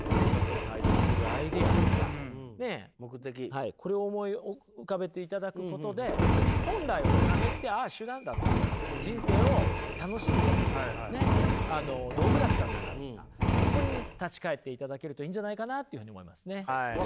はいこれを思い浮かべていただくことで本来お金ってああ手段だったんだな人生を楽しむためのねっあの道具だったんだなとかここにね立ち返っていただけるといいんじゃないかなというふうに思いますね。